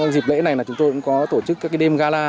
dịp lễ này là chúng tôi cũng có tổ chức các cái đêm gala